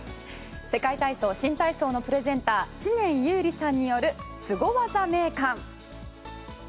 世界体操新体操のプレゼンター知念侑李さんによるスゴ技名鑑。